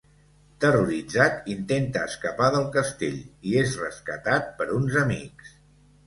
Terroritzat, intenta escapar del castell i és rescatat per uns amics.